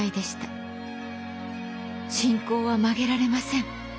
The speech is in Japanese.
「信仰は曲げられません」。